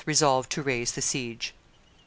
resolved to raise the siege.